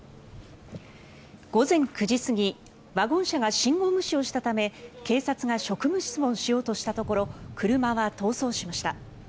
午前９時過ぎワゴン車が信号無視をしたため警察が職務質問しようとしたところ車は逃走しました。